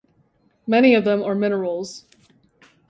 Many of them are minerals.